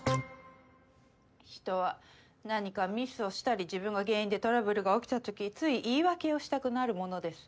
人は何かミスをしたり自分が原因でトラブルが起きた時つい言い訳をしたくなるものです。